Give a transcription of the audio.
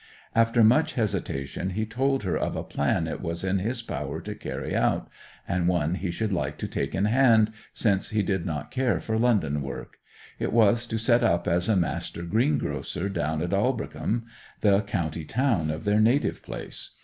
After much hesitation he told her of a plan it was in his power to carry out, and one he should like to take in hand, since he did not care for London work: it was to set up as a master greengrocer down at Aldbrickham, the county town of their native place.